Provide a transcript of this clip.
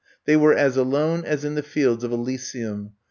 They were as alone as in the fields of Elysium.